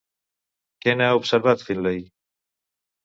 Què n'ha observat Finley?